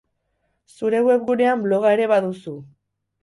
Zure webgunean bloga ere baduzu.